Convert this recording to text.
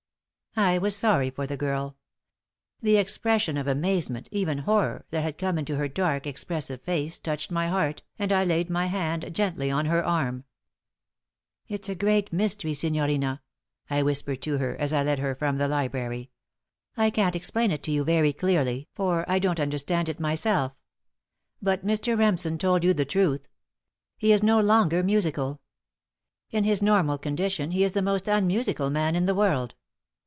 I was sorry for the girl. The expression of amazement even horror that had come into her dark, expressive face touched my heart, and I laid my hand gently on her arm. "It's a great mystery, signorina," I whispered to her, as I led her from the library. "I can't explain it to you very clearly, for I don't understand it myself. But Mr. Remsen told you the truth. He is no longer musical. In his normal condition he is the most unmusical man in the world.